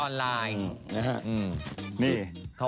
สวัสดีครับ